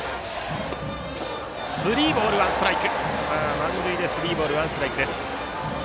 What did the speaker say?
満塁でスリーボールワンストライク。